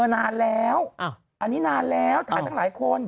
นานแล้วอันนี้นานแล้วถ่ายทั้งหลายคน